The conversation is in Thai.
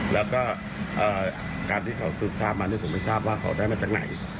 แล้วก็การที่เขาสืบทราบมาผมไม่ทราบว่าเขาได้มาจากไหน